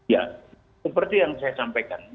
ya seperti yang saya sampaikan